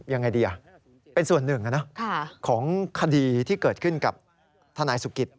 ยังไงดีเป็นส่วนหนึ่งของคดีที่เกิดขึ้นกับทนายสุกิต